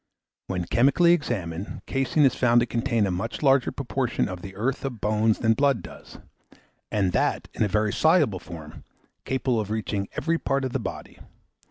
When chemically examined, caseine is found to contain a much larger proportion of the earth of bones than blood does, and that in a very soluble form, capable of reaching every part of the body.